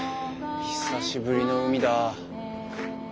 久しぶりの海だ。